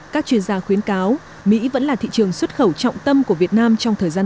các chuyên gia khuyến cáo mỹ vẫn là thị trường xuất khẩu trọng tâm của việt nam trong thời gian